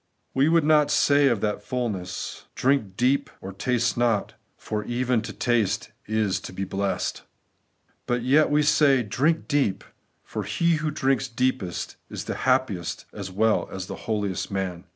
We would not say of that fulness, ' Drink deep or taste not,' for even to taste is to be blest. But yet we say, Drink deep ; for he who drinks deepest is the happiest as weU as the holiest man.